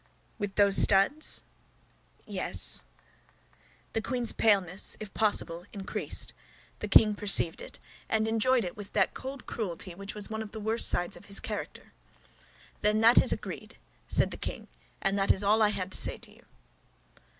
"With those studs?" "Yes." The queen's paleness, if possible, increased; the king perceived it, and enjoyed it with that cold cruelty which was one of the worst sides of his character. "Then that is agreed," said the king, "and that is all I had to say to you."